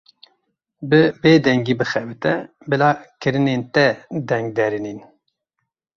Bi bêdengî bixebite, bila kirinên te deng derînin.